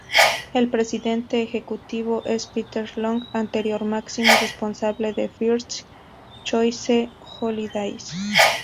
El presidente ejecutivo es Peter Long, anterior máximo responsable de First Choice Holidays.